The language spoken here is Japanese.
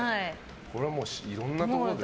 これはいろんなところでね。